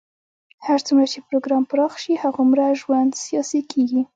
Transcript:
هر څومره چې پروګرام پراخ شي، هغومره ژوند سیاسي کېږي.